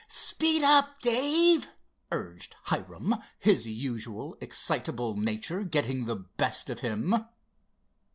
"Speed up, Dave," urged Hiram, his usual excitable nature getting the best of him.